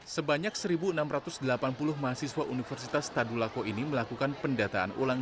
sebanyak satu enam ratus delapan puluh mahasiswa universitas tadulako ini melakukan pendataan ulang